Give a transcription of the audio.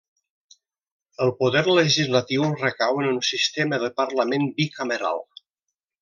El poder legislatiu recau en un sistema de parlament bicameral.